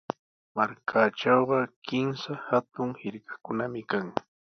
Markaatrawqa kimsa hatun hirkakunami kan.